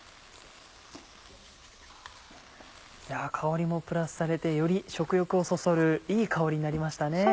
香りもプラスされてより食欲をそそるいい香りになりましたね。